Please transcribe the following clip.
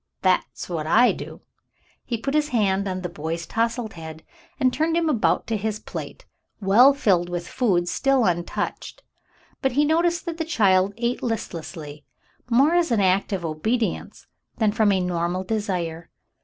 That's what I do." He put his hand on th^ boy's tousled head and turned him about to his plate, well filled with food still untouched, but he noticed that the child ate listlessly, more as an act of obedience than from a normal desire.